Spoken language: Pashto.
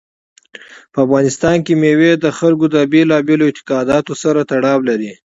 په افغانستان کې مېوې د خلکو له بېلابېلو اعتقاداتو سره تړاو لري.